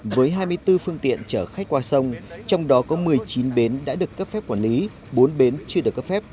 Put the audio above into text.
với hai mươi bốn phương tiện chở khách qua sông trong đó có một mươi chín bến đã được cấp phép quản lý bốn bến chưa được cấp phép